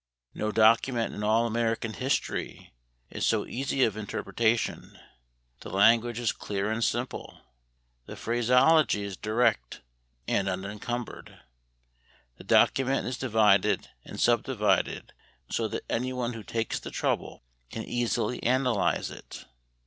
No document in all American history is so easy of interpretation: the language is clear and simple; the phraseology is direct and unencumbered; the document is divided and subdivided so that anyone who takes the trouble can easily analyze it.